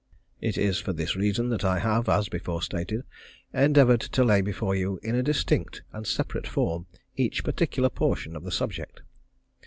It is for this reason that I have, as before stated, endeavoured to lay before you in a distinct and separate form each particular portion of the subject.